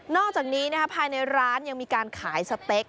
อกจากนี้ภายในร้านยังมีการขายสเต็ก